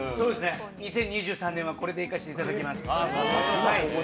２０２０年はこれでいかせていただきます。